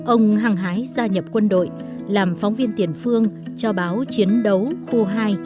ông hằng hái gia nhập quân đội làm phóng viên tiền phương cho báo chiến đấu khu hai